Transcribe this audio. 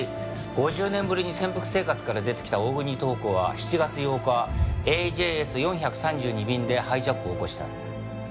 ５０年ぶりに潜伏生活から出てきた大國塔子は７月８日ＡＪＳ４３２便でハイジャックを起こした。